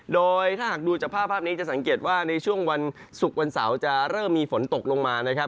โดยถ้าหากดูจากภาพภาพนี้จะสังเกตว่าในช่วงวันศุกร์วันเสาร์จะเริ่มมีฝนตกลงมานะครับ